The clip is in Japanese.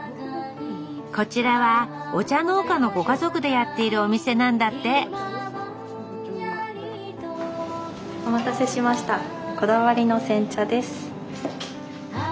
こちらはお茶農家のご家族でやっているお店なんだってお待たせしました。